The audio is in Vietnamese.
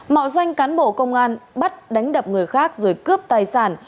mạo danh cán bộ công an bắt đánh đập người khác rồi cướp tài sản